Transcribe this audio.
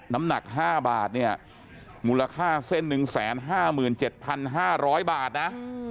น้ำหนัก๕บาทเนี่ยมูลค่าเส้น๑๕๗๕๐๐บาทนะ